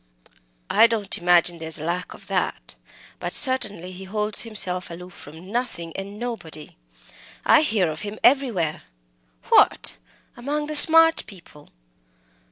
"I don't imagine there is any lack of that! But certainly he holds himself aloof from nothing and nobody! I hear of him everywhere." "What! among the smart people?"